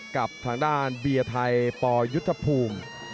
กับทางด้านเบียร์ไทยปยุทธภูมิ